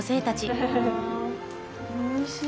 おいしい。